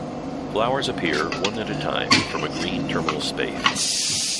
Flowers appear one at a time from a green terminal spathe.